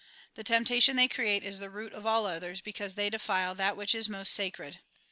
The temptation they create is the root of all others, because they defile that which is most sacred.